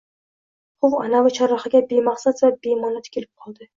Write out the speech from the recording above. Huv anavi chorrahaga bemaqsad va bema’no tikilib qoldi